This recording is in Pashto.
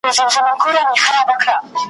ته دښمنه یې د خپلو چي تنها یې `